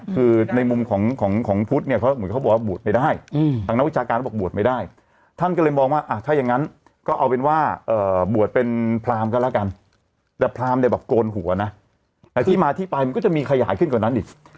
คือในมุมของพุทธเนี่ยเหมือนเขาบอกว่าบวชไม่ได้